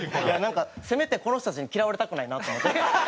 なんかせめてこの人たちに嫌われたくないなと思って。